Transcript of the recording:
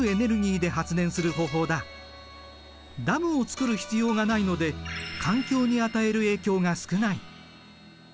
ダムを造る必要がないので環境に与える影響が少ない。